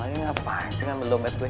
ini ngapain sih ambil dompet gue